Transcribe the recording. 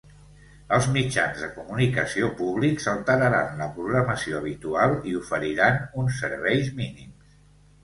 Els mitjans de comunicació públics alteraran la programació habitual i oferiran uns serveis mínims.